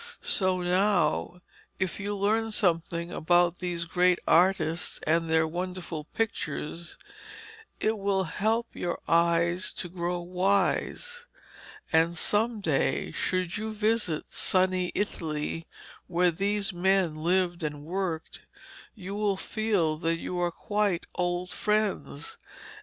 So now if you learn something about these great artists and their wonderful pictures, it will help your eyes to grow wise. And some day should you visit sunny Italy, where these men lived and worked, you will feel that they are quite old friends.